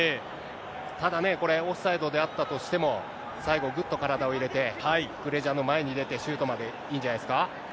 ただね、これ、オフサイドであったとしても、最後、ぐっと体を入れて、ククレジャの前に出て、シュートまでいいんじゃないですか。